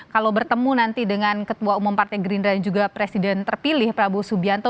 kalau bertemu nanti dengan ketua umum partai gerindra dan juga presiden terpilih prabowo subianto